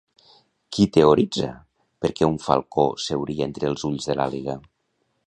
Qui teoritza per què un falcó seuria entre els ulls de l'àguila?